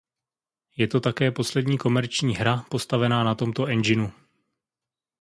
Je to také poslední komerční hra postavená na tomto enginu.